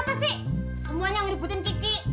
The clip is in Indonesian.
ngapasih semuanya ngiributin kiki